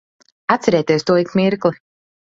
Atcerieties to ik mirkli.